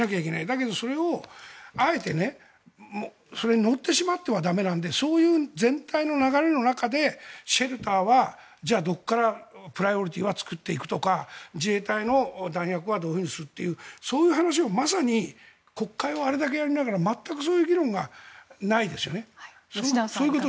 だけど、それをあえてそれに乗ってしまっては駄目なんでそういう全体の流れの中でシェルターはどこからプライオリティーは作っていくとか自衛隊の弾薬はどういうふうにするというそういう話をまさに国会をあれだけやりながら全くそういう議論がないですよね。